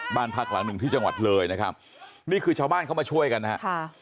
บ้านพักหลังหนึ่งที่จังหวัดเลยนะครับนี่คือชาวบ้านเข้ามาช่วยกันนะครับ